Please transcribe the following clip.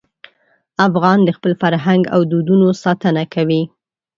افغان د خپل فرهنګ او دودونو ساتنه کوي.